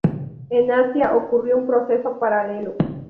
En Asia ocurrió un proceso paralelo.